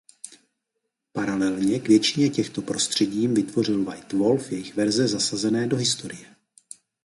Paralelně k většině těchto prostředím vytvořil White Wolf jejich verze zasazené do historie.